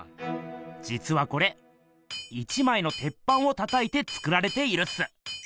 じつはこれ１まいのてっぱんをたたいて作られているっす。